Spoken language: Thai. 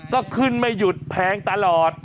ก็ขึ้นไม่หยุดแพงตลอด